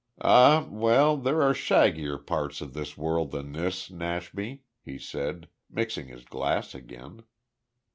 "Ah, well, there are shaggier parts of the world than this, Nashby," he said, mixing his glass again.